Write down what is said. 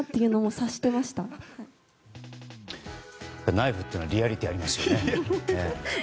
ナイフというのはリアリティーがありますよね。